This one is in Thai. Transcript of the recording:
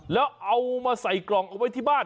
แล้วเอามาใส่กล่องเอาไว้ที่บ้าน